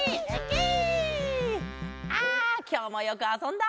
あきょうもよくあそんだ。